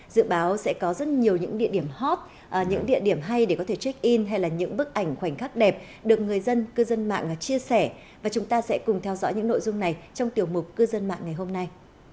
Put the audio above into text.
dự báo sẽ có rất nhiều những địa điểm hot những địa điểm hay để có thể check in hay là những bức ảnh khoảnh khắc đẹp được người dân cư dân mạng chia sẻ và chúng ta sẽ cùng theo dõi những nội dung này trong tiểu mục cư dân mạng ngày hôm nay